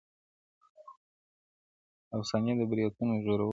افسانې د برېتورو- ږيرورو-